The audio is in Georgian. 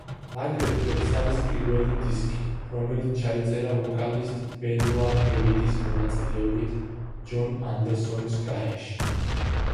აგრეთვე ეს არის პირველი დისკი, რომელიც ჩაიწერა ვოკალისტ ბენუა დევიდის მონაწილეობით, ჯონ ანდერსონის გარეშე.